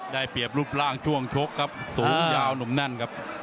ได้เปรียบรูปร่างช่วงชกครับสูงยาวหนุ่มแน่นครับ